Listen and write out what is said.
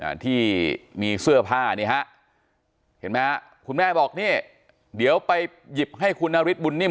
อ่าที่มีเสื้อผ้านี่ฮะเห็นไหมฮะคุณแม่บอกนี่เดี๋ยวไปหยิบให้คุณนฤทธบุญนิ่